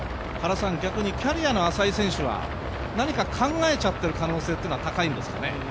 逆にキャリアの浅い選手は何か考えちゃってる可能性は高いんですかね？